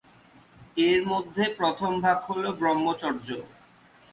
এর মধ্যে প্রথম ভাগ হল ব্রহ্মচর্য।